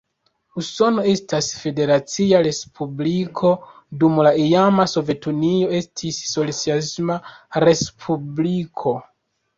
Usono estas federacia respubliko, dum la iama Sovetunio estis socialisma respubliko.